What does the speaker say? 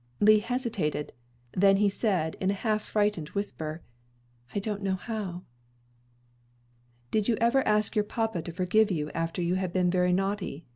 Lee hesitated, and then said in a half frightened whisper, "I don't know how." "Did you ever ask your papa to forgive you after you had been very naughty?"